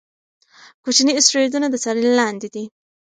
کوچني اسټروېډونه د څارنې لاندې دي.